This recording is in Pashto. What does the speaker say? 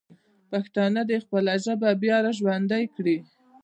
پښتانه دې خپله ژبه بیا راژوندی کړي.